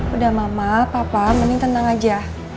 udah mama papa mending tenang aja